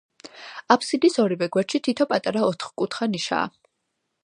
აფსიდის ორივე გვერდში თითო პატარა ოთხკუთხა ნიშაა.